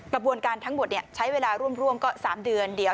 กระบวนการทั้งหมดใช้เวลาร่วมก็๓เดือน